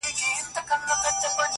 سپی دي ښخ وي دلې څه ګناه یې نسته,